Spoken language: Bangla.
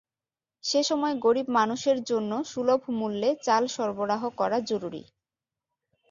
সে সময় গরিব মানুষের জন্য সুলভ মূল্যে চাল সরবরাহ করা জরুরি।